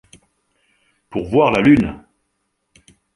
Pour voir la lune !